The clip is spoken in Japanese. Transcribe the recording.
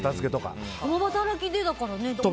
共働きでだからね。